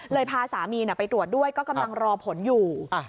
พาสามีไปตรวจด้วยก็กำลังรอผลอยู่